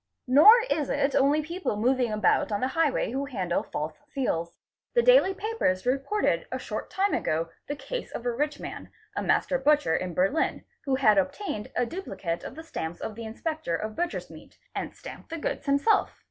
Nor is it only people moving about on the highway who handle false seals. The daily papers reported a short time ago the case of a rich man, 2 master butcher in Berlin, who had obtained a duplicate of the stamps of the inspector of butcher's meat, and stamped the goods himself.